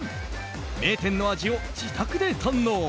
名店の味を自宅で堪能。